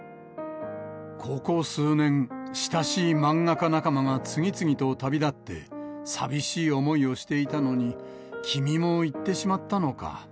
ここ数年、親しい漫画家仲間が次々と旅立って、寂しい思いをしていたのに、君も逝ってしまったのか。